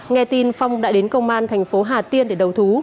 nghe tin phong đã đến công an thành phố hà tiên để đầu thú